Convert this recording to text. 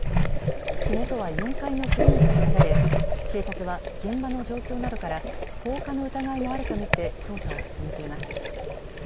火元は４階のクリニックと見られ、警察は現場の状況などから放火の疑いもあると見て捜査を進めています。